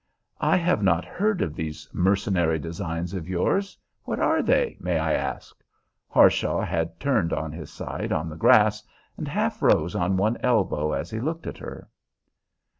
"I have not heard of these mercenary designs of yours. What are they, may I ask?" Harshaw had turned on his side on the grass, and half rose on one elbow as he looked at her.